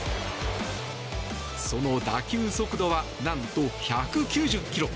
その打球速度は何と１９０キロ。